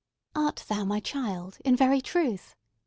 "Art thou my child, in very truth?"